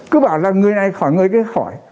cứ bảo là người này khỏi người kia khỏi